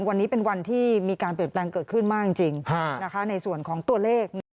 วันนี้เป็นวันที่มีการเปลี่ยนแปลงเกิดขึ้นมากจริงในส่วนของตัวเลข